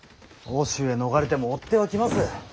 奥州へ逃れても追っ手は来ます。